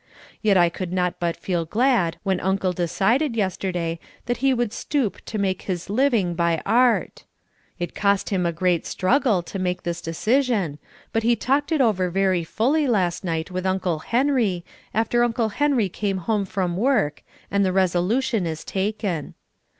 Yet I could not but feel glad when Uncle decided yesterday that he would stoop to make his living by art. It cost him a great struggle to make this decision, but he talked it over very fully last night with Uncle Henry, after Uncle Henry came home from work, and the resolution is taken.